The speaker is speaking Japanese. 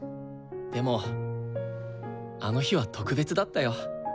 でもあの日は特別だったよ。